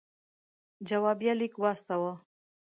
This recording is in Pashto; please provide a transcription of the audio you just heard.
جوابیه لیک واستاوه.